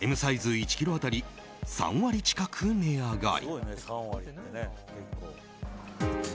１ｋｇ当たり３割近く値上がり。